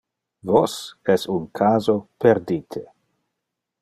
Vos es un caso perdite.